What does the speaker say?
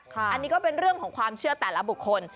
อันนี้ก็เป็นเรื่องของความเชื่อแต่ละบุคคล